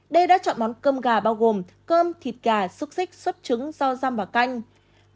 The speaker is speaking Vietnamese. nữ sinh này đã chọn món cơm gà bao gồm cơm thịt gà xúc xích xốt trứng rau răm và canh